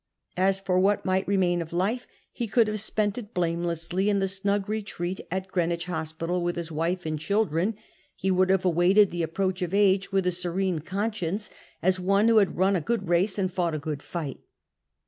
As for what might remain of life, he could have spent it blamelessly in the snug retreat of Greenwich Hospital with his wife and children ; he would liavc awaited the approach of age wifch a serene conscience, as one who had run a good race and fought a good %ht.